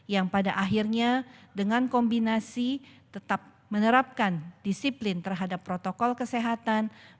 yang pada akhirnya dengan kombinasi tetap menerapkan disiplin terhadap protokol kesehatan